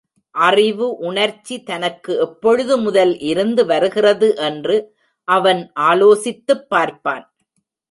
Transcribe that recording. அறிவு உணர்ச்சி தனக்கு எப்பொழுது முதல் இருந்து வருகிறது என்று அவன் ஆலோசித்துப் பார்ப்பான்.